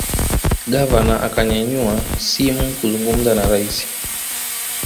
gavana akanyanyua simu kuzungumza na raisi